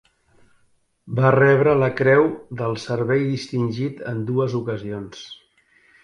Va rebre la Creu del Servei Distingit en dues ocasions.